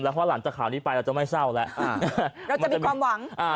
เพราะหลังจากข่าวนี้ไปเราจะไม่เศร้าแล้วอ่าเราจะมีความหวังอ่า